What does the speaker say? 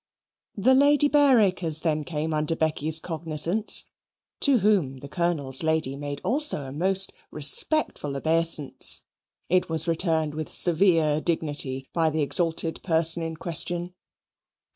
The Lady Bareacres then came under Becky's cognizance to whom the Colonel's lady made also a most respectful obeisance: it was returned with severe dignity by the exalted person in question.